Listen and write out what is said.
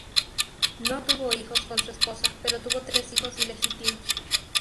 No tuvo hijos con su esposa, pero tuvo tres hijos ilegítimos.